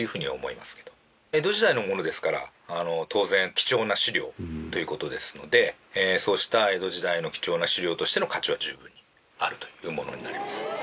江戸時代のものですから当然貴重な資料という事ですのでそうした江戸時代の貴重な資料としての価値は十分にあるというものになります。